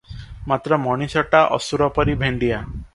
ମାତ୍ର ମଣିଷଟା ଅସୁର ପରି ଭେଣ୍ତିଆ ।